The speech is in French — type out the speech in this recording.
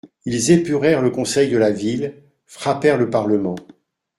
Ils épurèrent le conseil de la ville, frappèrent le parlement.